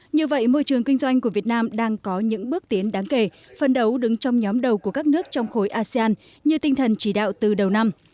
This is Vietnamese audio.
như vậy môi trường kinh doanh của việt nam đang có những bước tiến đáng kể phân đấu đứng trong nhóm đầu của các nước trong khối asean như tinh thần chỉ đạo từ đầu năm